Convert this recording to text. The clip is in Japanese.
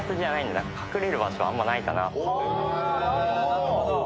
なるほど！